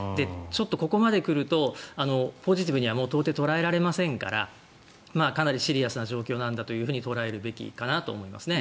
ここまで来るとポジティブには到底捉えられませんからかなりシリアスな状況と捉えるべきかなと思いますね。